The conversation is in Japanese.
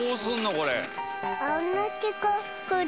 これ。